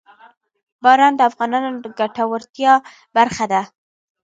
باران د افغانانو د ګټورتیا برخه ده.